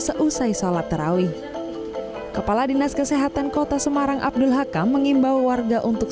seusai sholat terawih kepala dinas kesehatan kota semarang abdul hakam mengimbau warga untuk